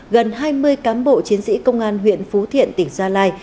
gần hai mươi cán bộ chiến sĩ công an huyện phú thiện tỉnh gia lai